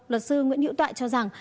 luật sư nguyễn nhữ tọa cho rằng